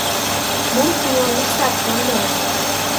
Мом тый ойлыштат, Королёв?!